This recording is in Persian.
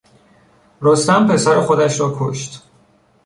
رستم پسر خودش را کشت.